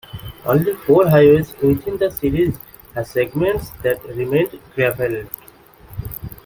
Only four highways within the series have segments that remained gravelled.